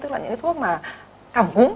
tức là những cái thuốc mà cảm cúm